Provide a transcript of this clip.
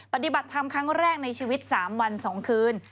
ปฏิบัติธรรมครั้งแรกในชีวิต๓วัน๒คืน